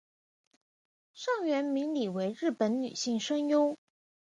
上原明里为日本女性声优。